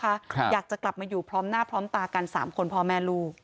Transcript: ครับอยากจะกลับมาอยู่พร้อมหน้าพร้อมตากันสามคนพ่อแม่ลูก